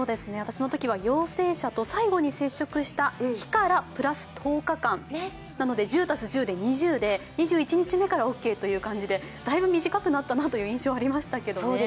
私のときは陽性者と最後に接触した日からプラス１０日間なので、１０足す１０で２０で、２１日目からオーケーという感じでだいぶ短くなったなという印象がありました。